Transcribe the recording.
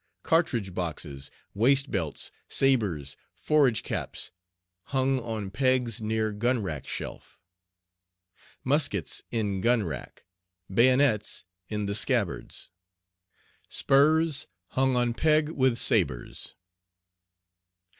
Cartridge Boxes, Waist Belts, Sabres, Forage Caps Hung on pegs near gun rack shelf. Muskets In gun rack, Bayonets in the scabbards. Spurs Hung on peg with Sabres.